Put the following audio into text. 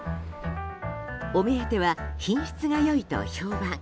お目当ては、品質が良いと評判